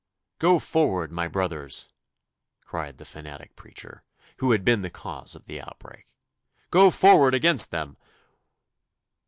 'Go forward, my brothers,' cried the fanatic preacher, who had been the cause of the outbreak 'go forward against them!